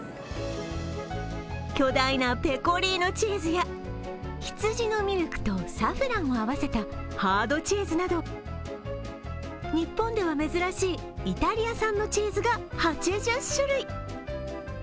巨大なペコリーノチーズや羊のミルクとサフランを合わせたハードチーズなど日本では珍しいイタリア産のチーズが８０種類。